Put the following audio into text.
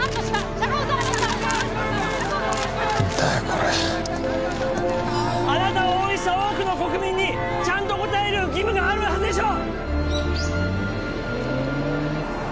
これあなたを応援した多くの国民にちゃんと答える義務があるはずでしょ！